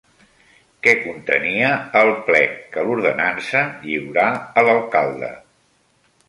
Què contenia el plec que l'ordenança lliurà a l'alcalde?